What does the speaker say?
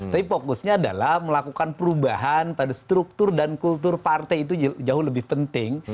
tapi fokusnya adalah melakukan perubahan pada struktur dan kultur partai itu jauh lebih penting